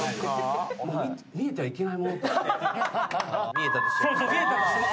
見えたとしても？